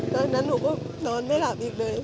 ตอนนั้นหนูก็นอนไม่หลับอีกเลย